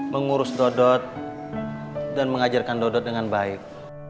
mengurus dodot dan mengajarkan dodot dengan baik